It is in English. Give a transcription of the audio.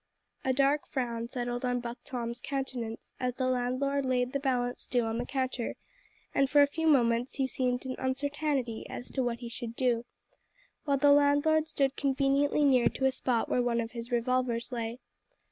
A dark frown settled on Buck Tom's countenance, as the landlord laid the balance due on the counter, and for a few moments he seemed in uncertainty as to what he should do, while the landlord stood conveniently near to a spot where one of his revolvers lay.